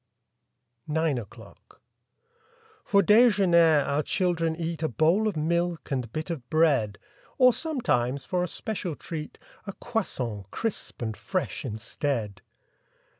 9 NINE O'CLOCK F or dejemier our children eat A bowl of milk and bit of bread; Or sometimes, for a special treat, A croissant, crisp and fresh, instead.